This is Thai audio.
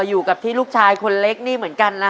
อยู่กับที่ลูกชายคนเล็กนี่เหมือนกันนะ